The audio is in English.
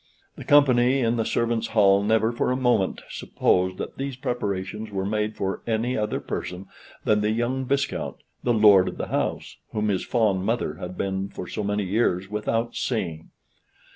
The company in the servants' hall never for a moment supposed that these preparations were made for any other person than the young viscount, the lord of the house, whom his fond mother had been for so many years without seeing.